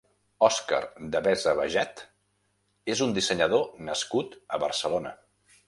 Òscar Devesa Bajet és un dissenyador nascut a Barcelona.